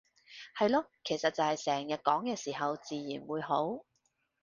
係囉，其實就係成日講嘅時候自然會好